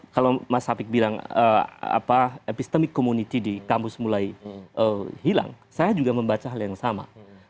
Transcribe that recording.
kalau mas hafik bilang epistemic community di kampus mulai hilang saya juga membaca hal yang sama